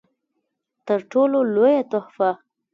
تر ټولو لويه تحفه